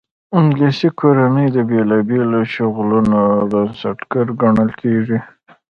انګلیسي کورنۍ د بېلابېلو شغلونو بنسټګر ګڼل کېږي.